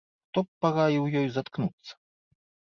Хто б параіў ёй заткнуцца?